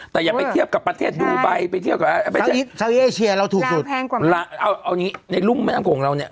แต่อย่าไปเทียบกับประเทศดูไบไปเทียบกับเอาอย่างนี้ในรุ่งแม่น้ำโกงเราเนี้ย